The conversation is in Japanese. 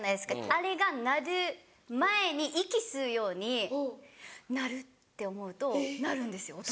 あれが鳴る前に息吸うように「鳴る！」って思うと鳴るんですよ音。